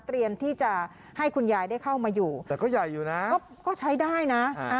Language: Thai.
ที่จะให้คุณยายได้เข้ามาอยู่แต่ก็ใหญ่อยู่นะก็ใช้ได้นะ